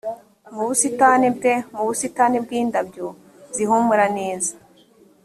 mu busitani bwe mu busitani bw indabyo zihumura neza